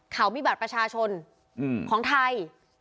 เขามีบัตรประชาชนของไทย